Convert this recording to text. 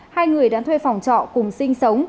hai người đã thuê phòng trọ cùng sinh sống